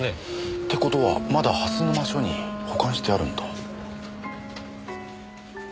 って事はまだ蓮沼署に保管してあるんだ。